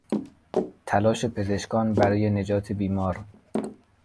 تلاش پزشکان برای نجات بیمار